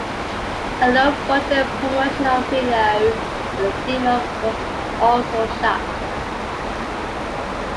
A low-budget promotional video for the demo was also shot.